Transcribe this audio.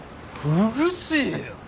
うるせえよ！